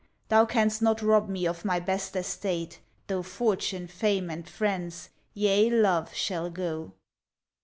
Thou canst not rob me of my best estate, Though fortune, fame and friends, yea love shall go.